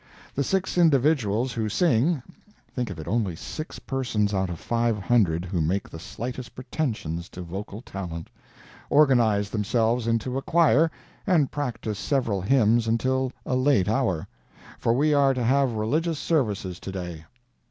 The six individuals who sing (think of it—only six persons out of five hundred who make the slightest pretensions to vocal talent!) organized themselves into a choir and practiced several hymns until a late hour—for we are to have religious services to day.